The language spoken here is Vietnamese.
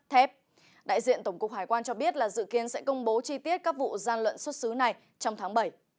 thép đại diện tổng cục hải quan cho biết là dự kiến sẽ công bố chi tiết các vụ gian lận xuất xứ này trong tháng bảy